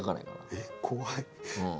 えっ怖い。